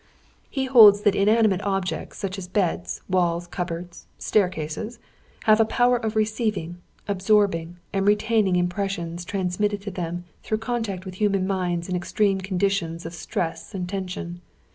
"He holds that inanimate objects, such as beds, walls, cupboards, staircases, have a power of receiving, absorbing and retaining impressions transmitted to them through contact with human minds in extreme conditions of stress and tension.